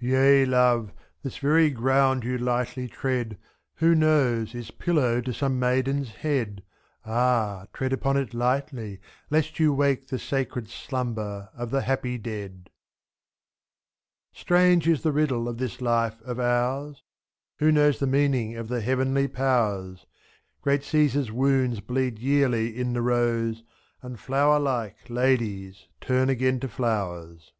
Yea, love, this very ground you lightly tread, Who knows! is pillow to some maiden's head; 4^. Ah ! tread upon it lightly, lest you wake The sacred slumber of the happy dead. Strange is the riddle of this life of ours ! Who knows the meaning of the heavenly powers.? *f^. Great Caesar's wounds bleed yearly in the rose. And flower like ladies turn again to flowers.